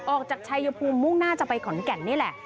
ออกจากชายภูมิมุ่งหน้าจะไปขอนแก่นนี่แหละ